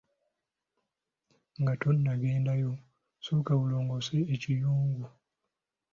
Nga tonnagendayo, sooka olongoose ekiyungu.